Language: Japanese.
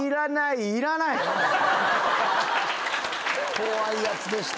怖いやつでした。